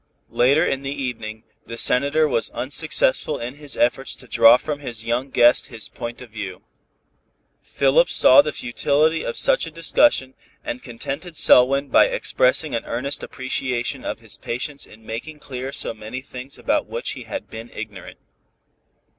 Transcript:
Later in the evening, the Senator was unsuccessful in his efforts to draw from his young guest his point of view. Philip saw the futility of such a discussion, and contented Selwyn by expressing an earnest appreciation of his patience in making clear so many things about which he had been ignorant.